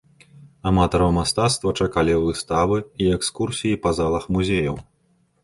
Аматараў мастацтва чакалі выставы і экскурсіі па залах музеяў.